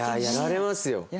やられますよ。